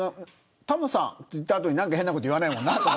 タモさんと言った後に何か変なこと言わないもんな。